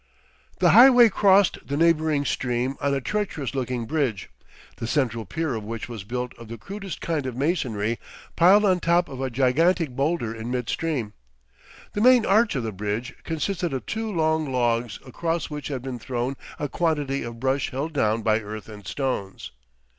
The highway crossed the neighboring stream on a treacherous looking bridge, the central pier of which was built of the crudest kind of masonry piled on top of a gigantic boulder in midstream. The main arch of the bridge consisted of two long logs across which had been thrown a quantity of brush held down by earth and stones.